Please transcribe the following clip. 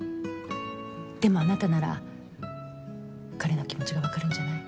でもあなたなら彼の気持ちがわかるんじゃない？